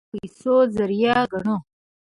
موږ افغانان تعلیم د پیسو ذریعه ګڼو